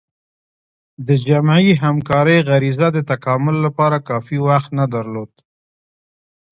د جمعي همکارۍ غریزه د تکامل لپاره کافي وخت نه درلود.